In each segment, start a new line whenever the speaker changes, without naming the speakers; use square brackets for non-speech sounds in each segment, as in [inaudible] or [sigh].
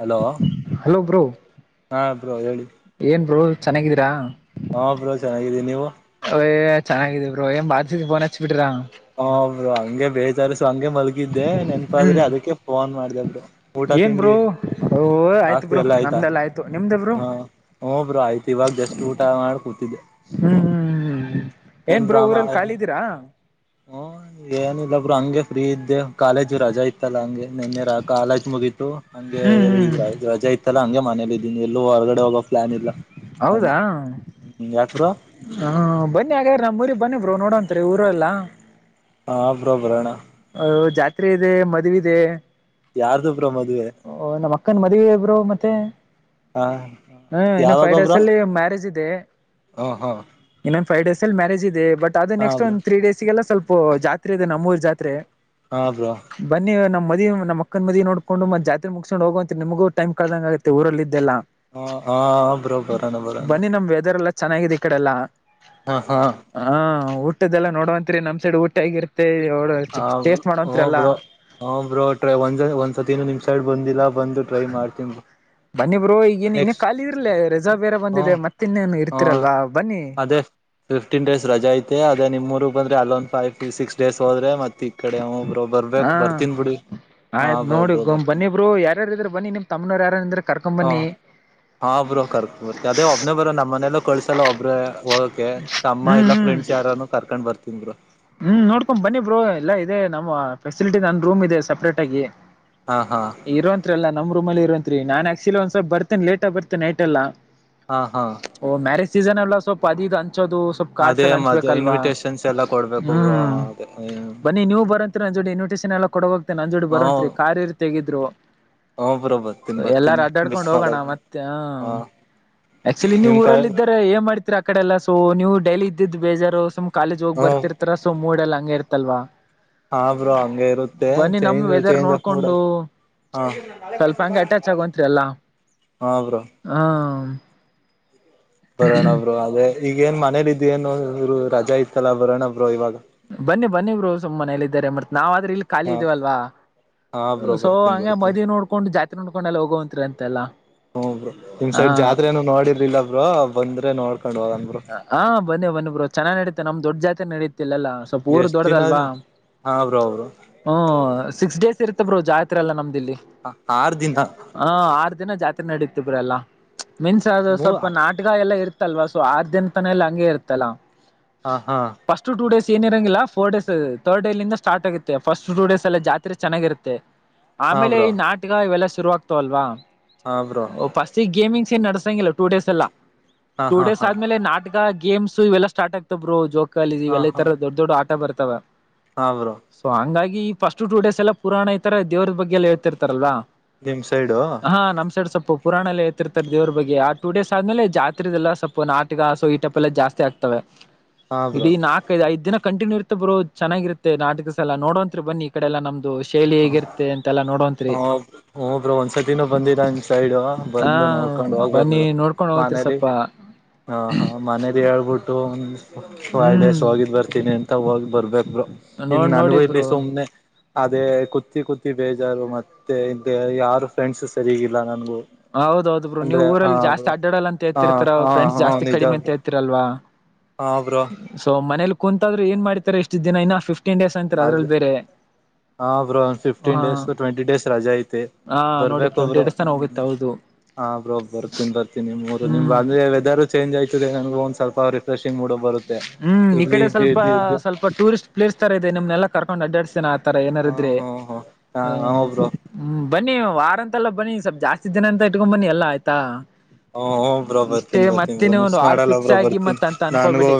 Hello
hello bro
ಹಾ bro ಹೇಳಿ
ಏನ್ ಬ್ರೋ. ಚೆನ್ನಾಗಿದ್ದೀರಾ.
ಹಾ ಬ್ರೋ ಚೆನ್ನಾಗಿದ್ದೀ ನೀವು.
ಹೊಯ್ ಚೆನ್ನಾಗಿದಿನ್ ಬ್ರೋ ಏನ್ ಬಾರ್ಸಿ ಫೋನ್ ಹಚ್ಬ ಬಿಟ್ರಾ.
ಹು ಬ್ರೋ ಹಂಗೆ ಬೇಜಾರು. ಹಂಗೆ ಮಲಗಿದ್ದೆ ನೆನಪಾದ್ರೆಿ
ಹ್ಮ್
ಅದಕ್ಕೆ ಫೋನ್ ಮಾಡ್ದೆ ಬ್ರೋ ಊಟ
ಏನ್
ತಿಂಡಿ
ಬ್ರೋ
ಯ
ಓ ಆಯ್ತು ಬ್ರೋ
[unintelligible] ಲ್ಲ ಆಯ್ತಾ
ನಮ್ದೆಲ್ಲ ಆಯ್ತು ನಿಮ್ದ ಬ್ರೋ
ಹ ಹ್ಮ ಬ್ರೋ ಆಯ್ತು ಇವಾಗ ಜಸ್ಟ ಊಟ ಮಾಡಿ ಕೂತಿದ್ದೆ.
ಹ್ಮ್ ಹ್ಮ್ ಹ್ಮ್ ಏನ್ ಬ್ರೋ ಊರಲ್ಲಿ ಖಾಲಿ ಇದ್ದೀರಾ.
ಹ್ಮ ಏನಿಲ್ಲ ಬ್ರೋ ಹಂಗೆ ಫ್ರೀ ಇದ್ದೆ ಕಾಲೇಜು ರಜಾ ಇ [unintelligible] ತ್ತಲ್ಲ ಹಂಗೆ ನಿನ್ನೆ ರ ಕಾಲೇಜ್ ಮುಗೀತು ಹಂಗೆ
ಹ್ಮ್ ಹ್ಮ್
ಈಗ ರಜಾ ಇತ್ತಲ್ಲಾ ಹಂಗೆ ಮನೇಲಿ ಇ ಎಲ್ಲೂ ಹೊರಗಡೆ ಹೋಗೋ ಪ್ಲಾನ್ ಇಲ್ಲ ಹ ಯಾ-
ಹಾ- ಬನ್ನಿ ಹಾಗ್ರ ನಮ್ಮ್ ಊರಿ ಬನ್ನಿಬರು ನೋಡೋಂತರಿ ಊರ ಎಲ್ಲ.
ಹಾ- ಬರ್ರೂ ಬರಾಣ್ಣ.
ಜಾತ್ರೆ ಇದೆ ಮದ್ವೆ ಇದೆ.
ಯಾರ್ದು ಬ್ರೋ ಮದುವೆ
ಓ- ನಮ್ಮ್ ಅಕ್ಕನ್ ಮದುವೆ -ಬ್ರು- ಮತ್ತೆ.
ಹಾ
ಹ್ಮ ಇನ್ನುೊ [unintelligible]
ಯಾವಾಗ
ಫೈವ್ ಡೇಸ್
ಬ್ರೋ
ಅಲ್ಲಿ ಮ್ಯಾರೇಜ್ ಇದೆ
ಹಾ ಹಾ
ಇನ್ನೊ ಫವ್ ಡೇಸ್ ಅಲ್ಲಿ ಮ್ಯಾರೇಜ್ ಇದೆ ಬಟ್ ಅೇ
ಹಾ
ನೆಕ್ಸ್ಟ್
ಬ್ರೋ
ಒಂದು ತ್ರೀ ಡೇಸ್ಗೆಲ್ಲ ಸ್ವಲ್ಪ ಜಾತ್ರೆ ಇದೆ ನಮ್ಮೂರ್ ಜಾತ್ರೆ
ಹಾ ಬ್ರೋ
[unintelligible] ಬನ್ನಿ ನಮ್ಮ್ ಮದಿ ನಮ್ಮ್ ಅಕ್ಕನ್ ಮದಿ ನೋಡ್ಕೊಂಡು- ಮೆ ಜಾತ್ ಮುಗಕೊಂಡು ಹೋಗ ಅಂತ ನಿಮಗ ಟೈಮ ಕಳ್ದಂಗ ಆಗತ್ತೆಊರಲ್ಲೆಲ್ಲ.
ಹ -ಹಾ -ಬರಬರ ಬರಣ
ಬನ್ನಿ ನಮ್ ವೆದರ್ ಎಲ್ಲ ಚೆನ್ನಾಗಿದೆ ಈ ಕಡೆಲ್ಲ- ಹ ಊಟ್ದದೆಲ್ಲ ನೋಡುವಂತ್ರಿ ನ್ ಸೈಡ್ ಊಟ ಆಗಿರ್ತ್ತೆ.
ಹ- ಹ- ಬ್ರೋ- ಹ- ಬ್ರೋ- ಟ್ರ- ಒಂದ್ ಒಂದ್ಸತಿನ್ನು ನಿಮ್ ಸೈಡ್ ಬಂದಿಲ್ಲ. ಬಂದು -ಟ್ರೈ -ಮಾಡ್ತವಿ
ಬನ್ನಿಬ್ರು ಈಗೇನ್ ಇನ್ನ ಖಾಲಿ ಇರ್ಲೇ ರೆಸರ್ವ್ ಬೇರ
ಹ್ಮ
ಬಂದಿದೆ ಮತ್ತೆ ಇನ್ನೇನು
ಹ
ಇರ್ತಿರಲ್ವಾ ಬನ್ನಿ.
ಅದೇ ಫಿಫ್ಟೀನ್ ಡೇಸ್ ರಜ ಐ ಅದ ನಿಮ್ಊರು ಬಂದ್ರೆ ಅಲೋನ್ ಫೈವ್ ಸಿಕ್ ಡೇಸ್ ಹೋದ್ರೆ ಮೆ [unintelligible] ಈ -ಕಡೆ ಹಬ್ರು ಬರ್ಬಕ್
ಹಾ
ಬರ್ತನ್ ಬಿಡಿ. ಹಾ
ಆಯ್ತ್
ಬ
ನೋಡಿ
ಬ್ರೋ
ಗ
ಬರ್ತೀನಿ
ಬನ್ನಿಬ್ರು ಯಾರ ಇದ್ರ ಬನ್ನಿ ನಿಮಮ್ಮ್ನ್ ಯಾರ್ರ ಕರ್ಕೊಂಬ.
ಹ- ಹಾ- ಒಬ್ರು ಕರ್ಕ ಬರ್ತ ಅದೇ ಒಬ್ಬನೇ ಬರ ನಮ್ಮ್ ಮನೆಯಲ್ಲೋ ಕಳ್ಸಲ್ಲ ಒಬ್ಬ್ರ. ಓಕೆ ತಮ್ಮ
ಹ್ಮ್
ಇಲ್ಲ
ಹ್ಮ್
ಫ್ರೆಂಡ್ಸ್ ಯಾರಾನೂ ಕರ್ಕೊಂಡ್ ಬರ್ತನ್ರು.
ಹ್ಮ್ -ನೋಡ್ಕೊಂಡ್ ಬನ್ನಿ ಬರು ಎಲ್ಲಾ ಇದೆ ನಮ್ಮ್ ಫೆಸಿಲಿಟಿ ನನ್ನ ರೂಮ್ ಇದೆ ಸೆಪ್ರೇಟ್ ಆಗಿ.
ಹಾ ಹಾ
ಇರುವೋಂತರಿಲ್ಲ ನಮ್ ರೂಮಲ್ಲಿ ಇರೋಂತ್ರಿ ನಾನನ್ ಆಕ್ಚುಲಿ ಒಂದ್ ಸ್ವಲ್ಪ ಬರ್ತೇನೆ ಲೇಟ್ಗಿ ಬರ್ತೆನೆ ನೈಟ್ ಎಲ್ಲ.
ಹಾ -ಹಾ
ಓ ಮ್ಯಾರೇಜ್ ಸೀಸನ್ ಎಲ್ಲ ಸ್ವಲ್ಪ ಅದದು ಹಂಚೋದು ಸ್ವಲ್ಪ ಕಾಡ್ಸ
ಅದೇ
ಎಲ್ಲ
ಮದ
ಹಂಚ್ಬೇಕಲ್ವಾ.
ಇನ್ವಿಟೇಶನ್ಸ್ ಎಲ್ಲ ಕೊಡ್ಬೇಕು ಬ್ರೋ
ಹ್ಮ್-
ಅದೇ
ಬನ್ನಿ ನೀವು ಬರಂತೀರ ಜೋಡಿ. ನ್ಟೇನ್ ಎಲ್ಲ ಕೊಡ ಹೋಗತತೆ ನಜೋಡು
ಹ
ಬರೋಂತತ್ರಿ ಕಾರ್ಯರ್ ತಗ್ರು.
ಹ ಬ್ರೋ ಬರ್ತೀನಿ
ಎಲ್ಲಾರು
ಬರ್ತೀನಿ ಮಿಸ್
ಅಡ್ಡಾಡ್ಕೊಂಡ್ ಹೋಗೋಣ
ಮಾಡಲ್ಲ
ಮತ್ತೆ -ಹ
ಹಾ
[inaudible] ಆಕ್ಚುಲಿ ನೀವು
ನಿಮ್ ಕ
ಊರಲ್ಲ್ದಾರೆ ಏನ್ ಮಾಡ್ತಿರ. ಕಡೆ ಎಲ್ಲ -ಸೊ -ನೀವು ಡೈಲಿ ಇದ್ದಿದ್ದ ಬೇಜುಮ್ ಕಾಲೇಜ ಹೋಗಿ
ಹ
ಬರ್ತ. ಸೊ -ಮೂಡೆಲ್ಲ ಹಂಗ ಇರ್ತಲ್ವಾ.
ಹಾ ಬ್ರೋ ಹಂಗೆ ಇರುತ್ತೆ
ಬನ್ನಿ ನಮ
change
weather
change of mood
ನೋಡ್ಕೊಂಡು
ಹಾ
[unintelligible] ಸ್ವಲ್ಪ ಹಂಗೆ ಅಟ್ಯಾಚ್ ಆಗೋಂತ್ರಿ ಅಲ್ಲಾ.
ಹಾ- ಬ್ರೋ ಬರೋರಣ-ಬ್ರು ಅದೇ ಈಗೇಏನ್ ಮನೇಲಿ ಇದ್ ಏನುರು ರಜಾ ಇತ್ತಲ್ಲ ಬರೋರಣ-ಬ್ರು ಇವಾಗ.
ಬನ್ನಿ ಬನ್ನಿಬ್ರು ಸುಮ್ಮ್ನೇಯಲ್ಲಿ ಇದ್ದಾರೆ ಮತ್ತತ್ ನಾವ್ ಇಲ್ಲಿ ಖಾಲಿ
ಹಾ
ಇದವಲ್ವಾ
ಹಾ ಬ್ರೋ
-ಸೊ
ಬರ್ತೀನಿ
-ಹ-
ಬರ್ತೀನಿ
ಮದಿ ನೋಡ್ಕೊಂಡು ಜಾಸ್ತಿ ನೋಡ್ಕೊಂಡೆಲ್ಲ ಹೋಗೋವಂತತ್ರಿ ಅಂತೆಲ್ಲ.
ಹ -ಬ್ರೋ -ನಿಮ್ ಸೈಡ್ ಜಾತ್ರೆ ನನು ನೋಡಿರ್ಲ ಬ್ರೋ ಬಂದ್ರೆ ನೋಡ್ಕೊಂಡ್ ಹೋಗನ್ ಬ್ರೋ.
ಹಾ- ಬನ್ನಿ ಬನ್ನಿ ಬ್ರೋ ಚೆನ್ನ ನಡೀತ ನಮ್ ದೊಡ್ ಜಾತ್ತಿ ನಡೀತೆ. ಲ್ಲ- ಸ್ವಲ್ಪ ಊರು
ಎಷ್ಟ್ ದಿನ
ದೊಡ್ಡದಲ್ವಾ
ಹಾ ಬ್ರೋ ಅವರು
ಹ [unintelligible] ಸಿಕ್ಸ್ ಡೇಸ್ ಇರ್ತಬ್ರರು ಜಾತ್ರೆ ಎಲ್ಲಾ ನಮ್ದಿಲ್ಲಿ-
ಆರ್ ದಿನ
ಹ -ಆರು ದಿನ ಜಾತ್ರೆ ನಡೀತಬ್ರ ಎಲ್ಲಾ. ಮನ್ಸ- ಅ
ಮೂ
-ಸ್ವಲ್ಪ ನಾಟಗ ಎಲ್ಲ ಇರ್ತಲ್ವಾ- ಸೊ ಆದ ದಿನ ತಾನ ಎಲ್ಲ ಹಂಗೆ ಇರ್ತಲ್ಲ
ಹಾ- ಹಾ
ಫಸ್ಟ್ ಟೂ ಡೇಸ್ ಏನಿರಂಗಿಲ್ಲ -ಫೋ ಡೇಸ್ ತರ್ಡ್ಡೇಲ್ಲಿಂದ ಸ್ಟ್ ಆಗುತ್ತೆ ಫಸ್ಟ್ ಟ ಡೇಸ್ಲ್ಲ ಜಾತ್ರೆ ಚೆಾಗಿರುತ್ತೆ [unintelligible]
ಹಾ
ಆಮೇಲೆ ಈ
ಬ್ರೋ
ನಾಟಕ ಇವೆಲ್ಲ ಶುರು ಆಗ್ತವಲ್ವಾ
ಹಾ ಬ್ರೋ
ಫಸ್ಟ್ ಗೇಮಿಂಗ್. ನ್ಸೀಂಗಲ್ಲ ಟೂ ಡೇಸ್ ಎಲ್ಲ [unintelligible]
ಹಾ- ಹಾ- ಹಾ
ಆಟಗ ಗೇಮ್ಸ್ ಇವೆಲ್ಲ ಸ್ಟಾರ್ಟ್ ಆಗ್ತವರು ಜೋಕ -ಅ -ಇವೆಲ್ಲ ಈ ತರ ದೊಡ್ ದೊಡ್ಡ ಆಟ ಬರ್ತವೆ.
ಹ- ಬ್ರೋ
ಈ ಸ್ಟ್ ಟ ಡೇಸ್ ಎಲ್ಲ ಪುರಾಣ ತರ ದವ್ರದ ಬಗ್ಗೆಲ್ಲ ಹೇಳ್ತಿರ್ತಾರಲ್ವಾ
ನಿಮ್ ಸೈಡು
[unintelligible] ಹಾ- ನಮ್ ಸೆಡ್ ಸೊಪ್ಪು. ಪುಾಣ ಎ ಹ ಎತ್ತತಿರ್ತಾರೆ ದೇವ್ರ ಬಗ್ಗೆ ಆ ಟ ಡಸ್ ಆದ್ಮೇಲೆ ಜಾತ್ರೆದೆಲ್ಲವ ನಾಟಕ ಹಾಸು ಈಟಪ್ ಎಲ್ಲ ಜಾಸ್ತಿ ಆಗ್ತವೆ
ಹಾ ಬ್ರೋ
ಇಡೀ ನಾಕೈದು ಐ್ ದಿನ ಕಂಟನ್ಯೂ ಇತ್ತ ಬರು ಚೆನ್ನಾಗಿರುತ್ತೆ ನಾಟಕಸ್ ಎಲ್ಲ ನೋಡೋಂತತ್ರ್ ಬನ್ನಿ ಈ ಕಡೆ ಎಲ್ಲ ನಮ್ದು ಶೈಲಿ ಹೇಗಿರುತ್ತೆ ಅಂತೆಲ್ಲಾ ನೋಡೋವಂತ್ರಿ
ಹ ಹ ಹಬ್ರ ಒಂದ್ಸತಿನೂ ಬಂದರಂದ ಸೈಡ್
ಹ
ಬಂದು ನೋ ಕಕೊಂಡು ಹೋಗ್ಬೇಕ
ಬನ್ನಿ
ಬಿಡು
ನೋಡ್ಕೊಂಡ್ ಹೋಗತ್ರಿ
ಮನೇಲಿ
ಸ್ವಲ್ಪ
ಹ ಹಾ ಮನೇಲಿ ಹೇಳ್ಬಿಟ್ಟು ಒಂದ ಫೈಲ್್ ಡೇಸ್
ಹ್ಮ್
ಹೋಗಿದ್ ಬರ್ತೀನಿ ಅಂತ ಹೋಗಿ್ ಬರ್ಬೇಕ ಇನ್ನು
ನೋಡ್ ನೋಡಿ
ನನಗೂ ಇಲ್ಲಿ
ಬ್ರೋ
ಸುಮ್ನೆ ಅದೇ ಕುತ್ತ ಕುತ್ತಿ ಬೇಜಾರು ಮತ್ತೆ ಇ ಯಾರು ಫ್ರೆಂಡ್ಸ್ ಸರಿ ಇಲ್ಲ ನನಗು
ಹೌದೌದು್ ಬ್ರರು ನೀವು ಊರಲ್ಲಿ ಜಾಸ್ತಿ ಅಡ್ಡಾಡಲ್ಲ ಅ
ಹಾ
ಹೇಳ್ತಿರ್ತರ
ಹಾ
ಫ್ರೆಂಡ್ಸ್
ಹಾ
ಜಾಸ್ತಿ
ನಿಜ
ಕಡಿಮೆ ಅಂತ
ಬ್ರೋ
ಹೇಳ್ತಿರಲ್ವಾ
ಹಾ ಬ್ರೋ
ಸೊ ಮನೇಲಿ ಕುೂಂತಾದ್ರರು ಏನ್ ಮಾಡ್ತಾರೆ ಎಷ್ಟು ದಿನ ಇನ್ನ ಫಿಫ್ಟ ಫ್ಟನ್ ಡೇಸ್ ಅಂತೀರ್ ಅದ್ರಲ್ಲಿ ಬೇರೆ
ಹ ಬ್ರ ಒ ಫಿಫ್ಟೀನ್
ಹ
ಡೇಸ್ ಟ್ವೆಂಟಿ ಡೇಸ್ ರಜಾ ಐತೆತಿ
ಹಾ ನೋಡಿ
ಬರ್ಬೇಕುಬ್್ರ
ಟ್ವೆಂಟಿ ಡೇಸ್ ತನ
ಹ್ಮ
ಹೋಗುತ್ತೆ ಹೌದು
ಹಾ ಬ್ರೋಬ್ ಬರ್ ತಿನ್ ಬರ್ತೀನಿ ಮೂರು ನಿಮ್
ಹ್ಮ್
ಅಂದ್ರೆದ ಂಜ ಆಯತದೆ ನನಗ ಒಂದ ಸ್ವಪ ರಿಫ್ರೆ್
ಹ್ಮ್ ಈ ಕಡೆ ಸ್ವಲ್ಪ
ಇದ್ದು
ಸ್ವಲ್ಪ ಟೂರಿಸ್ಟ್ ಪ್ಲೇಸ್ ತರ ಇ ನಿಮ್ನೆಲ್ಲ ಕರ್ಕೊಂಡ್ ಅಡ್ಡಾಡ್ತೇನ ಆತರ ಏನಾರ
ಹಾ
ಇದ್ರೆ
ಹಾ ಹಾ
ಹ
ಹಾ ಬ್ರೋ
ಹ್ಮ ಬನ್ನಿ ವಾರ ಅಂತೆಲ್ಲ ಬನ್ನಿ ಸ್ವಲ್ ಜಾಸ್ತಿ ದಿನ ಅಂತ ಇಟ್ಕೊಂಡ್ ಬನ್ನಿ ಎಲ್ಲ ಆಯ್ತಾ
ಹ ಬ್ರೋ
ಇಷ್ಟೇ
ಬರ್ತೀನಿ ಬರ್ತೀನಿ ಬ್ರೋ
ಮತ್ತನ
ಮಿಸ್
ಒಂದು ಆರು
ಮಾಡಲ್ಲ
ಪಿಕ್ಸ್
ಬ್ರೋ
ಆಗಿ
ಬರ್ತೀನಿ
ಮತ್ತ ಅಂತ ಅನ್ಕ
ನನ್ಗೂ
ಬಡಿ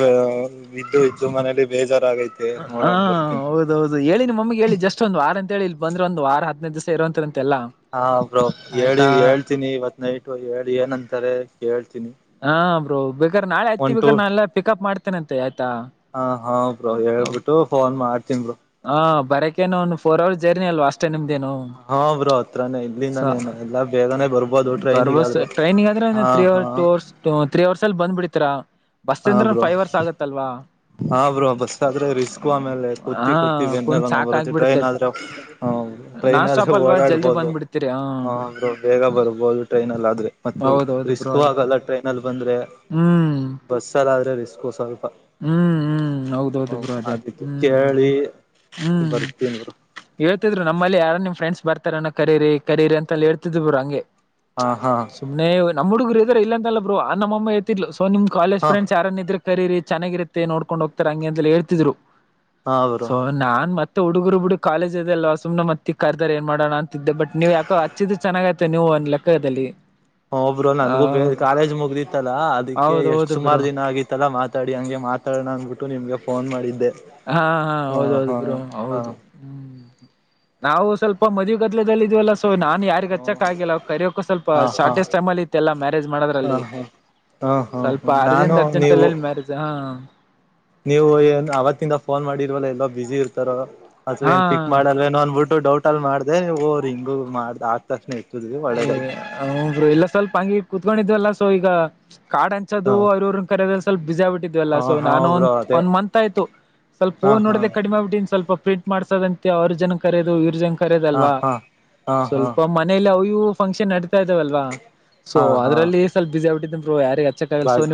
ಇದ್ದು ಇದ್ದು ಮನೇಲಿ ಬೇಜಾರಾಗೈತೆ
ಹ
ನೋಡೋಣ ಬರ್ತೀನಿ
ಹೌದ ಹೌದು ಹೇಳಿ ನಿಮ್ಮ ಮಮ್ಮಗೆ ಹೇಳಿ ಇ ಜಸ್ಟ್ ಒಂದ ವಾರ ಅಂತ ಹೇಳಿ ಇ ಬಂದ್ರ ಒಂದ ವಾರ ಹದ್ನದು ದಿವಸ ಇರಂತ
ಹಾ ಬ್ರೋ ಹೇಳಿ ಹೇಳ್ತೀನಿ ಇವತ್ ನೈಟು ಹೇಳಿ ಏನಂತಾರೆ ಕೇಳ್ತಿ
ಹಾ ಬ ಬೇಕರ್ ನಾಳೆ ಹತಿ
ಒನ್
ಬೇಕ್ರ
ಟು
ನಾನ ಎಲ್ಲ ಪಿಕಪ್ ಮಾಡ್ತೇನೆಂತೆ ಆಯ್ತಾ
ಹ ಹಾ ಬ್ರೋ ಹೇಳ್ಬಿಟ್ಟು ಫೋನ್ ಮಾಡ್ತನ್ ಬ್ರೋ
ಹಾ ಬರಕೇನು ಒ ೋರ್ ಜರ್ನಿ ಅಲ್ವಾಷ್ಟ ನಿಮೇನು
ಹಾ ಬ್ರೋ ಹತ್ರಾನೇ ಇಲ್ಲಿಂದಾನೇನು ಎಲ್ಲಾ ಬೇಗನೆ ಬರ್ಬೋದು
ಬರ್ಬೋ
ಟ್ರೈನಿಗಾದ್ರೆ
ಟ್ರೈನಿಂಗ್ ಅ
ಹಾ
ತ್ರೀ ಅವರ್
ಹಾ
ಟ ಅವರ್ ತ್ರೀ ಅವರ್ ಅಲ್ಲಿ ಬಂದ್ ಬಿಿಡ್ತೀಾ ಬಸ್
ಹಾ
ಅಂದ್ರ
ಬ್ರೋ
ೈವ್ ಅವರ್ಸ್ ಆಗತ್ತಲ್ವಾ
ಹಾ ಬ್ರೂ ಬಸ್ ಆದ್ರೆ ರಿಸ್ಕು ಆಮೇಲೆ
ಹಾ
ಕುತ್ತಿ ಕುತ್ತಿ
ಕುಂತ್
ಬೆನ್ನೆಲ್ಲ ನ
ಸಾಕ
ಬರುತ್ತೆ
ಆಗ್ಬಿಡುತ್ತೆ
ಟ್ರೈನ್ ಆದ್ರೆ ಟ್ರೈನ್
ನಾನ್ ಸ್ಟಾಪ್
ಆದ್ರೆ
ಅಲ್ವಾ ಜಲ್ದಿ
ಓಡಾಡ್ಬೋದು
ಬಂದ್ಬಿಡ್ತೀರಿ ಹ
ಹರು ಬೇಗ ಬರ್ಬೋದು ಟ್ರೈನ್ ಅಲ್ ಆದ್ರೆ ಮತ್ತೆ
ಹೌದೌದು ಬ್ರೋ
ರಿಸ್ಕ್
ಅದಕ್ಕೆ
ಆಗಲ್ಲ ಟ್ರೈನ ಅಲ್ಲಿ ಬಂದ್ರೆ
ಹ್ಮ್
ಬಸ್ಸಲ್ಲ ಆದ್ರೆ ರಿಸ್ಕು ಸ್ವಲ್ಪ
ಹ್ಮ್ ಹ್ಮ್
ಹ
ಹೌದೌದು ಬ ಅದೇ
ಅದಕ್ಕೆ
ಹ್ಮ್
ಕೇಳಿ
ಹ್ಮ್
ಬರ್ತೀನ್ ಬ್ರೋ
ಹೇಳ್ತಿದ್ರು ನಮ್ಮಲ್ಲಿ ಯಾರ ನಿಮ್ ಫ್ರೆಂಡ್ಸ್ ಬರ್ತ ರ ಕರೇರಿ ಕರೇರಿ ಅಂತಲ್ಲಿ ಹೇಳ್ತಿದ್ರು ಹಂಗೆ
ಹಾ ಹಾ
ಸುಮ್ನೆ ನಮ್ಮ್ ಹುಡುಗರು ಇದ ಇಲ್ಲ ಅ ಬರು ಅ ನಮ್ಮ ೇತಿ ಸ ನಿಮ ಕಾಲಜ್
ಹಾ
ಫ್ರೆ್ಸ್ ಯಾರನ್ ಇದ್ರ ಕರಿ ಚೆನ್ನಾಗಿರುತ್ತೆ ನೋಡ್ಕೊಂಡ್ ಹೋಗ್ತಾರೆ ಹಂಗೆ ಅಂತ ಹೇಳ್ತಿದ್ರು
ಹಾ ಬ್ರೋ
ಸೊ ನಾನ್ ಮತ್ತ ಹುಡುಗುರು ಬಿಡು ಕಾಲೇ್ ಅದೆಲ್ಲ ಸುಮ್ ಮತ್ತಿ ಕರ್ದರ್ ಏನ್ ಮಾಡೋಣ ಅಂತಿದ್ದ ಬಟ್ ನೀವು ಯಾಕೋ ಹಚ್ಚಿದ್ ಚೆನ್ನಾಗೈಐತೆ ನೀವು ಲೆಕ್ಕದಲ್ಲಿ
ಹ ಒಬ್ರು
ಆ
ನನ್ಗೂ ಬೇ ಕಾಲೇಜ್ ಮುಗ್ದಿತ್ತಲಾ ಅದಕ್ಕೆ ಎಷ್ಟ್
ಹೌದೌದು
ಸುಮಾರ
ಬ್ರೋ
ದಿನ ಆಗಿತ್ತಲ್ಲಾ ಮಾತ್ ಮಾತಾಡಿ ಹಂಗೆ ಮಾತಾೋಣ ಅಂದ್ಬಿಟ್ಟು ನಿಮ್ಗೆ ಫೋನ್ ಮಾಡಿದ್ದೆ
ಹಾ ಹಾ ಹೌದ ಹೌದು ಬ್ರೋ
ಹಾ
ಹೌದು ಹ್ಮ್ ನಾವು ಸ್ವಲ್ಪ ಮದುವೆ ಗದಲೆದಲ್ಲಿಿದ್ವಲ್ಲ ಸೊ ನಾನನ್ ಯಾರಿಗ್
ಹ
ಹಚ್ಚಕ್ ಆಗಿಲ್ಲ ಅವ ಕರಿಯೋಕ್ಕೂ ಸ್ವಲ್ಪ
ಹ ಹಾ
ಶಾರ್ಟೇಜ್ ಟೈಮಲ್ಲಿ ಇತ್ತಲ್ಲ ಮ್ಯಾರೇಜ್
ಹ
ಮಾಡೋದ್ರಲ್ಲಿ
ಹ ಹ ಹಾ
ಸ್ವಲ್ಪ ಆರು ದನ್
ನಾನು
ಅರ್ಜೆಂಟ್ ಅಲ್ಲ
ನೀವು
ಅಲ್ಲಿ ಮ್ಯಾರೇಜ ಹಾ
ನೀವು ಏನ್ ಅವತ್ತಿಂದ ಫೋನ್ ಮಾಡಿರವಲ್ಲ ಎಲ್ಲೋ ಬಿಸಿಿ ಇರ್ತಾರೋ ಅಥವಾ ಏನ್ ಪಿಕ್
ಹಾ
ಮಾಡಲ್ ೋಂದ್ಬಟ್ಟ ಡೌಟ್ ಅಲ್ಲಿ ಮಾಡ್ದ ಹಿಂಗ ಮಾಡ್ದ ಆಗ್ತ
ಏ ಹರು ಎಲ್ಲ ಸ್ವಲ್ಪ ಹಂಗಿ ಕುೂತ್ಕೊಂಡಿದ್ವಲ್ಲ ಸೊ ಈಗ ಕಾಡಂಚೋದು
ಹ
ಅವ್ರವ್ರನ್ ಕರ ಸ್ಲ್ ಬಜಬಟ್ಟ ್ಲ್ಲ
ಹಾ
ಸೊ
ಹಾ
ನಾನು ಒಂದ
ಬ್ರೋ ಅದೇ
ಒಂದ ಮಂತ್ ಆಯ್ತು ಸ್ವಲ್ಪ ಹೂ
ಹಾ ಹಾ
ನೋಡದೆ ಕಡಿಮೆಗ್ಬಿಟ್ಟಿ ಸ್ವಲ್ಪ ಪ್ರಿಂಟ್ ಮಾಡಸೋದಂತೆ ಅವ್ರ ಜನ ಕರೋದು ಇವ್ರ ಜನ ಕರ್ಯೋದ
ಹಾ
ಅಲ್ವಾ
ಹಾ ಹಾ ಹಾ
ಸ್ವಲ್ಪ ಮನೇಲಿ ಅವ ನೀವು ಫಂಕ್ಷನ್ ನಡತಾ ಇದಾವವಲ್ವಾ ಸೊ ಅದ್ರಲ್ಲಿ ಸ್ವಲ್ಪ ಬಿಸಿಿ ಆಬಿಟ್ಟಿದನ್ರು ಯಾರ
ಬಾಜ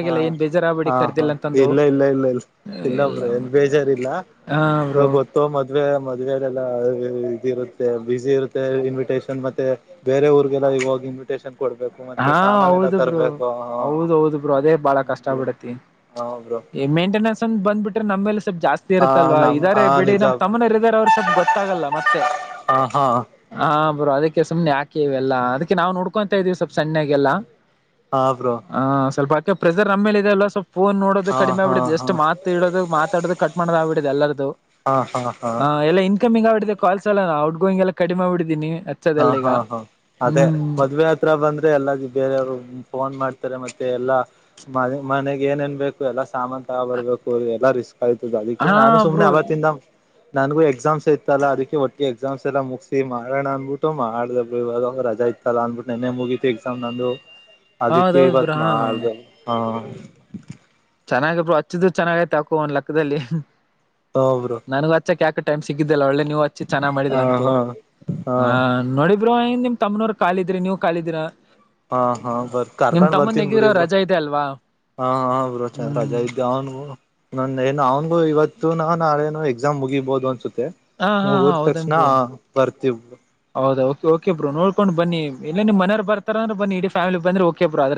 ಹ ಹ ಹಾ
ಕರ್ದಿಲ್ಲ ಅಂತಂದು
ಇಲ್ಲ ಇಲ್ಲ ಇಲ್ಲ ಇಲ್ಲ
ಇಲ್ಲ
ಇಲ್ಲಬ್ರ ಎಲ್ಲಿ ಬೇಜಾರ
ಹಾ ಬ್ರೋ
ಗೊತ್ತು ಮದ್ವೆ ಮದ್ವೆ ಇದ ಇರುತ್ತೆ ಬ್ಯುಸಿ ಇರುತ್ತೆ ಇನ್ವಿಟೇಷನ್ ಮತ್ತೆ ಬೇರೆ ಊರಿಗೆಲ್ಲ ಇವಾಗ ಇನ್ವಿಟೇಷನ್ ಕೊಡ್ಬೇಕು ಮತ್ತೆ ಸಾಮಾನ ಎಲ್ಲ ತರ್ಬೇಕು
ಹೌದೌದು ಬ್ರೋ ಅದೇ ಬಹಳ ಕಷ್ಟ
ಹ್ಮ
ಬಿಡತಿ
ಹ ಬ್ರೋ
ಮೇಂಟೆನೆನ್ಸ್ ಅಂದ ಬಂದ್ಬಿಟ್ರೆ ನಮ್ಮೇಲೆ ಜಾಸ್ತಿ
ಹ
ಇರುತ್ತಲ್ವಾ
ನಮ್ ಹ
ಇದಾರೆ ಬಿಡಿ
ನಿಜ
ನಮ್ ತಮ್ಮನರ ವರ್ಷದ ಗೊತ್ತಾಗಲ್ಲ ಮತ್ತೆ
ಹ ಹಾ
ಹ ಬೋ ಅದಕ್ಕೆ ಸುಮ್ನೆ ಆಕೆ ಇವೆಲ್ಲ ಅದಕ್ಕೆ ನಾವು ನೋಡ್ಕೊಂತತ ಇದೀವಿ ಸ್ವಲ್ಪ ಸಣ್ಣಾಗಲ್ಲ
ಹಾ ಬ್ರೋ
ಹ ಸ್ವಲ್ಪ ಆಕೆ ಪ್ರೆಸರ್ ನಮ್ಮೇಲೆ ಇದೆ ಅಲ್ ಸ್ವಲ್ಪ ಫೋನ್ ನೋಡದು
ಹಾ
ಕಡಿಮೆ
ಹಾ
ಆಗ್ಬಿಡಿದೆ
ಹಾ
ಜಸ್ಟ್ ಮಾತ್ ಇಡೋದು ಮಾತಾಡೋದು ಕಟ್ ಮಾಡೋದಗ್ಬಿಡಿದೆ ಎಲ್ಲಾರ್ದು ಹಾ ಎಲ್ಲಾ ಇನ್ಕಮಿಂಗ್ ಆಡಿದೆೆ ಕಾಲ್ಸಲ್ಲ ಔಟ್ ಗೋಯಿಂಗ್ ಎಲ್ಲ ಕಡಿಮೆಗ್ಬಿಡಿದೀನಿ
ಹಾ ಹಾ ಹಾ ಅದೇ ಮದ್ವೆ ಹತ್ರ ಬಂದ್ರೆ ಎಲ್ಲ ಬೇರೆಯವ್ರು ಫೋನ್ ಮಾಡ್ತಾರೆ ಮತ್ತೆ ಎಲ್ಲಾ ಮ ಮನೆಗ್ ಏನ್ ನ್ ಬೇಕು ಎಲ್ಲಾ ಸಾಮಾನನ್ ತಗೋ ಬರ್ಬೇಕು ರಿ ಎಲ್ಲಾ ರಿಸ್ಕ್ ಆಯತದ ಅದಕ್ಕೆ
ಹಾ
ನಾನು ಸುಮ್ನೆ
ಬ್ರೋ
ಅವತ್ತಿಂದ ನನ್ಗು ಎಕ್ಸಾಮ್ಸ್ ಐತ್ತಲ್ಲ ಅದಕ್ಕೆ ಒಟ್ಟಿಗೆ ಎಕ್ಸಾಮ್ಸ್ ಎಲ್ಲ ಮುಗಿಸಿ ಮಾಡೋಣ ಅನ್ ಮಾಡ್ದ ರಜಾ ಇತ್ತಲ್ಲ ಅನ್ಬಿಟ್ಟು ನೆನೆೆ ಮುಗೀತಿ ಎಕ್ಸಾಮ್ ನಂದು ಅದಕ್ಕೆ
ಹೌದೌದು
ಇವತ್
ಬ್ರೋ ಹಾ
ಮಾಡಿದೆ ಹ
ಚೆನ್ನಾಗರು ಹಚ್ಚಿದು ಚೆನ್ನಾಗ ಐತೆ ಅಕೋ ಒಂದ್ ಲೆಕ್ಕದಲ್ಲಿ
ಹಾ ಬ್ರೋ
ನನಗ ಹಚ್ಚಕ್ ಯಾಕ ಟೈಮ್ ಸಿಗಿದ ಲ್ಲ ಒಳ್ಳೆ ನೀವು ಹಚ್ಚಿ ಚೆನ್ನಾಗಿ ಮಾಡಿದ್ರ
ಹಾ
ಅಂತೂ
ಹಾ ಹಾ
ಆ ನೋಡಿ ಇ್ರ ನಿಮ್ ತಮ್ಮನವ್ ಕಾಲಿದ್ರಿ ನೀವ್ ಕಾಲಿದ್ರ
ಹಾ ಹಾ ಬರ್ ಕಾರ್ಕೊಂಡ್ ಬರ್ತೀನ್ ಬಿಡಿ ಒಬರು
ರಜಾ ಇದೆ ಅಲ್ವಾ
ಹ ಹಬ್ರು
ಹ್ಮ್
ರಜಾ ಇದ್ದೆ ಅವ್ನ್ಗೂ ನನ್ನ ಏನು ಅವ್ನ್ಗೂ ಇವತ್ತು ನಾ ನಾಳೇನು ಎಕ್ಸಾಮ್ ಮುಗಿಬಹುದು ಅನ್ಸುತ್ತ
ಹಾ ಹಾ ಹಾ ಹೌದೇನ್ರು
ಬರ್ತೀವ್
ಹೌದ ಕೆ ಬ ನೋಡ್ಕೊಂಡ್ ಬನ್ನಿ ಇಲ್ಲ ನಿಮ್ಮ ಮವ ಬರ್ತಾರ್ರ ಬಿ ಇಡ ಫಾಮಿಲಿ ಬಂದ್ರ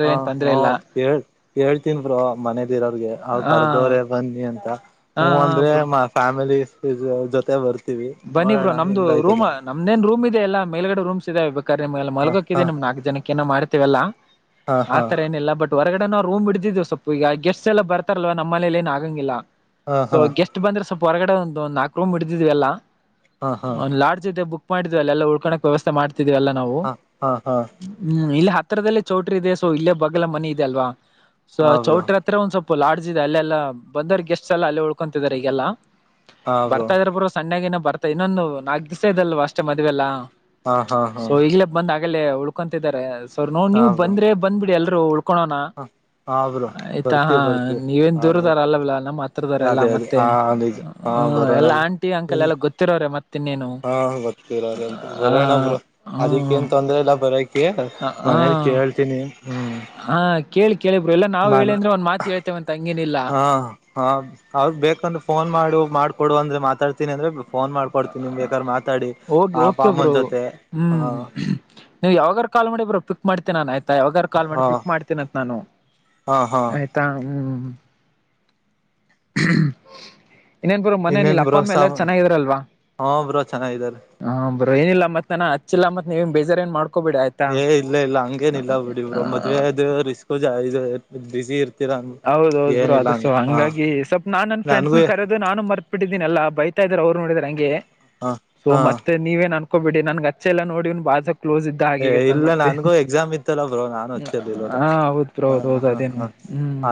ಹ ಹಾ ಕೇಳ್ ಕೇಳ್ತನ್ರು ಮನೆದಿರೋಗೆ ಅವ್
ಹಾ
ಕರ್ದವರೆೇ ಬನ್ನಿ ಅಂತ
ಹಾ
ಹ
ಹಾ
ಅಂದ್ರೆ
ಬ್ರೋ
ಫ್ಯಾಮಿಲಿ ಜೊತೆ ಬರ್ತ
ಬನ್ನಿ ಬ್ರೋ ನಮ್ದು ರೂಮ್ ನಮ್ದೇನ್ ರೂಮ್ದೆ ಎಲ್ಲ ಮೇಲ್ಗಡೆ ರೂಮ್ಸ್ ಇದದೆ
ಹ
ಮಲಗಕಿದೆ
ಹ
ನಿಮ್ ನಾಕಕ್ ಜನಕ್ಕೆ ಏನೋ ಮಾಡ್ತೀವಲ್ಲ
ಹಾ ಹಾ
ಆತರ ಏನಿಲ್ಲ ಬಟ್ ಹೊರಗಡೆ ನಾವುೂ ಇಡಿದ್ ಸೊಪ ಈಗ ಗೆಸ್ಟ್ಸ್ಲ್ ಬರ್ತಾರಲ್ವ ನಮ್ಮ ಮೇ ಏನ್ ಆಗಂಗಿಲ್ಲ ಸೊ
ಹಾ
ಗೆಸ್ಟ್ ಬಂದ್ರೆ ಸ್ವಲ್ಪ ಹೊರಗಡೆ ಒಂದಂದ ನಾಲ್ಕ ರೂಮ್ ಹಡಿದ್ ಎಲ್ಲಾ
ಹಾ ಹಾ
ಒ ಲಾಡ್ಜ ಇದೆ ಬುಕ್ ಮಾಡಿದ್ವಲ್ಲ ಎಲ್ಲ ಉಳ್ಕೋಕ್ ವ್ಯಸ್ಥೆ ಮಾಡ್ತವಿ ಲ್ಲ ನಾವು
ಹಾ ಹಾ ಹಾ ಹಾ
ಹ್ಮ್ ಇಲ್ಲಿ ಹತ್ತರದಲ್ಲಿ ಚೌಟ್ರಿ ಇದೆ ಸೊ ಇಲ್ಲೇ ಬಗಲ ಮನಿ ಇದೆ ಅಲ್ವಾ ಸೊ
ಹಾ ಬ್ರೋ
ಚೌಟ್ರತ್ರ ಒಂದ್ ಸ್ವಲ್ಪ ಲಾಡ್ಜ್ ಇದೆ ಅಲ್ಲೆಲ್ಲ ಬಂದರ್ ಗೆಸ್ಟ್ಸ್ ಎಲ್ಲ ಅಲ್ಲಲ್ಲಿ ಉಳ್ಕೊತಿದಿದ್ದಾರೆ ಈಗೆಲ್ಲಾ
ಹಾ ಬ್ರೋ
ಬರ್ತಾ ಇದ್ರ ಬರು ಸಣ್ಣಾಗಿ ನ ಬರ್ತ ಇನ್ನೊಂದು ನಾಕಕ್ ದಿವ್ಸ ಇದಲ್ವ ಅಷ್ಟೇ ಮದ್ವೆಲ್ಲ
ಹಾ ಹಾ ಹಾ
ಉಳ್ಕೊಂತಿದ್ದಾರೆ ಸರ್ ನೋ
ಹಾ
ನೀವು
ಬ್ರೋ
ಬಂದ್ರೆ ಬಂದ್ಬಿಡಿ ಎಲ್ಲರು ಡ ಕಕೋಣ
ಹಾ ಬ್ರೋ
ಆಯ್ತಾ ಹಾ
ಬರ್ತೀವಿ ಬರ್ತೀವಿ
ನೀವೇನ್
ಹಾ ಬ್ರೋ
ದೂರದಾರ ಅಲ್ಲವಲ್ಲ ನಮ್ಮ ಹತ್ರದಾರಲ್ಲಾ
ಅದೇ ಅದೇ
ಮತ್ತೆ
ಹಾ ನಿಜ ಹಾ
ಹ
ಬರೋಣ
ಎಲ್ಲ ಆಂಟಿ ಅಂಕಲ್
ಇನ್
ಎಲ್ಲ ಗೊತ್ತಿರೋ
ಹಾ ಗರ್ತ್ತೀರ
ಹ
ಬರೋಣ ಬರು ಅದಿಕ್ಕ
ಹ್ಮ
ಏನ್ ತೊಂದ್ರೆ ಇಲ್ಲ ಬರ
ಹ ಹ
ಮನೇಲಿ ಕೇಳ್ತೀನಿ ಹ್ಮ್
ಹಾ ಕೇಳಿ ಕೇಳಿ ಬ್ರೋ ಎಲ್ಲಾ ನಾವ್ ಹೇಳಿ
ಮನೆ
ಅಂದ್ರೆ ಒಂದ್ ಮಾತ್ ಹೇಳ್ತೇವಂತ ಹಂಗೇನಿಲ್ಲ
ಹಾ ಹಾ ಅವ್ರ ಬೇಕಂದ್ರೆ ಫೋನ್ ಮಾಡು ಮಾಡ್ಕ ಕೊಡ ಅಂದ್ರೆ ಮಾತಾಡ್ತನಿ ಅಂದ್ರೆ ಫೋನ್ ಮಾಡ್ಕೊಡ್ತೀನಿ ನಿಮ್ ಬೇಕಾದ್ರೆ ಮಾತಾಡಿ
ಹೋಗಿ
ಆ ಪ ಅಮ್ಮನ ಜೊತೆ ಹ
ನೀವು ಯಾವಾಗಾರ ಕಾಲ್ ಮಾಡಿ ಬ್ರೋ ಕ್ ಮಾಡ್ತೇನ ನಾನನ್ ಆಯ್ತಾ ಯಾವಾಗ ಕಾಲ್
ಹ
ಮಾಡಿ ಪಿಕ್ ಮಾಡ್ತೇನತ್ ನಾನು
ಹಾ ಹಾ
ಆಯ್ತಾ ಹ್ಮ್ ಹ್ಮ್ ಇನ್ನೇನ್ ಬರು ಮನೇೆಯಲ್ಲಿ
ಇನ್ನೇನ್
ಅಪ್ಪ
ಬ್ರೋ
ಅಮ್ಮಿ
ಸಾಮ
ಎಲ್ಲಾರು ಚೆನ್ನಾಗಿದ್ರಲ್ವಾ
ಹಾ ಬ್ರೋ ಚೆನ್ನಾಗಿದ್ದಾರೆ
ಹ ಬ್ರೋ ಏನಿಲ್ಲ ಮತ್ ನಾನ ಹಚ್ಚಿಲ್ಲ ಮತ್ ನೀವನ್ ಬೇಜಾರ ಏನ್ ಮಾಡ್
ಏ ಇಲ್ಲ ಇಲ್ಲ ಹಂಗೇನ ಇಲ್ಲ ಬಿಡಿಬ್ರರು ಮದ್ವೆ ಅದು ರಿಸ್ಕ್ ಬಿಸಿ ಇರ್ತ
ಹೌದೌದ್ ಬ್ರೋ ಅದಸು ಹಂಗಾಗಿ ಸ್ವಲ್ಪ್ ನಾನ್ ನನ್ನ ಫ್ರೆಂಡ್ಸ್
ನನ್ಗೂ
ನ ಕರೆದು ನಾನು ಮರ್ಬಿಟ್ಟಿದ್ದೀನ ಅಲ್ಲಾ ಬೈತಾ ಇದಾರೆ ಅವ್ರು ನೋಡಿದ್ರ ಹಂಗೆ
ಹ
ಸೊ
ಹ
ಮತ್ತೆ ನೀವೇನ್ ಅನ್ಕೋಬ ಬಿಡಿ ನನ್ಗೆ ಅಚ್ಚೆ ಎಲ್ಲಾ ನೋಡನ್ ಬಾಜ ಕ್ಲೋಸ್ ಇದ್ದ
ಏ
ಹಾಗೀಗದ್ ನನ್
ಇಲ್ಲ
ಮತ್ತೆ
ನನ್ಗೂ ಎಕ್ಸಾಮ್ ಇತ್ತಲ್ಲ ಬ್ರೋ ನಾನು ಹಚ್ಚಲ್ಲಿಲ್ಲಲ್ಲ
ಹಾ ಹೌದ್ ಬ್ರೋ ಹೌದ್ ಹೌದು ಅದೇನು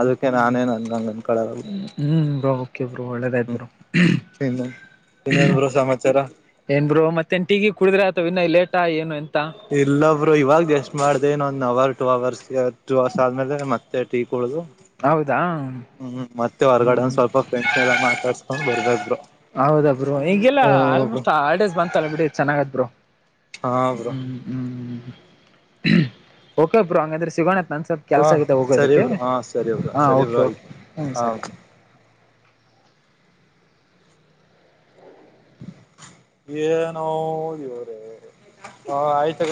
ಅದಕ್ಕೆ ನಾನೇನ್ ನನ್ಗಂಗ ಅನ್ಕಳಲ್ಲ
ಹ್ಮ್ ಬ್ರೋ ಕೆ ಬ್ರೋ ಒಳ್ಳೆದಾಯ್ತ್
ಹ್ಮ್
ಬ್ರೋ
ಇನ್ನು ಇನ್ನೇನ್ ಬ್ರೋ ಸಮಾಚಾರ
ಏನ್ರು ಮತ್ತೆ ನ್ ಟೀಗಿ ಕುಡಿದ್ರೆ ಆತ ಇನ್ನ ಲೇಟಾ ಏನು
ಇಲ್ಲಬ್ರು ಇವಾಗ ಜಸ್ಟ್ ಮಾಡ್ದ ಇನ್ದ್ ಅವರ್ ಟು ಅವರ್ರ್ಸ್ ಆದ್ಮೇಲೆ ಮತ್ತೆ ಟೀ ಳ
ಹೌದಾ
ಹ್ಮ್ ಮತ್ತೆ ಹೊರ್ಗಡೆ
ಹ್ಮ್
ಸ್ವಲ್ಪ ಫ್ರೆಂಡ್ಸ್ ಎಲ್ಲ ಮಾತಾಡ್ಸ್ಕೊಂಡ್ ಬರ್ಬೇಕ
ಹೌದ ಬ್ರೂ ಈಗೆಲ್ಲಾ ಆಲ್ಮೋಸ್ಟ್ ಹಾಲ್ಡೇಸ್ ಬಂತಲ್ಲ ಬಿಡಿ ಚೆನ್ನಾಗದ್ರು
ಹಾ ಬ್ರೋ
ಹ್ಮ್ ಹ್ಮ್ ಹ್ಮ್ ಓಕೆಬ್ರು ಹಂಗಾದ್ರೆ ಸಿಗೋಣ ನಾನು ಸ್ವಲ್ಪ
ಹಾ
ಕೆಲಸ ಆಗುತ್ತ
ಸರಿ
ಹೋಗೋದಕ್ಕೆ
ಬ್ರೋ ಹಾ ಸರಿ ಬ್ರೋ
ಹಾ
ಸರಿ ಬ್ರೋ
ಓಕೆ ಓಕೆ
ಆಯ್ತು
ಹ
ಹಾ
ಸರಿ
[inaudible] [inaudible] ಏ ನೋ ಹಓದವ್ರೇ ಆಯ್ತ